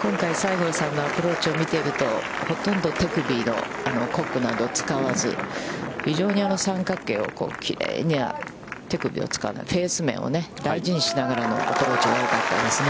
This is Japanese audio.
今回、西郷さんのアプローチを見ていると、ほとんど手首のコックなどを使わず、非常に三角形をきれいに手首を使う、フェース面を大事にしながらのアプローチが多かったですね。